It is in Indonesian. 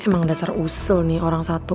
emang dasar usul nih orang satu